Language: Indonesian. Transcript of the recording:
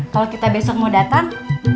kalau kita besok mau datang